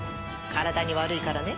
体に悪いからね。